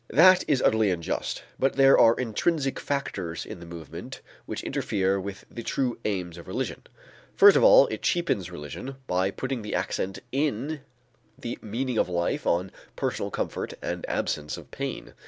That is utterly unjust. But there are intrinsic factors in the movement which interfere with the true aims of religion. First of all it cheapens religion by putting the accent in the meaning of life on personal comfort and absence of pain.